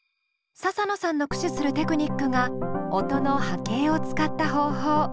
ササノさんの駆使するテクニックが音の波形を使った方法。